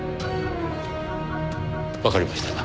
わかりました。